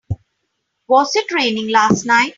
Was it raining last night?